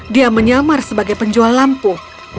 dia menyamar sebagai penjual lampu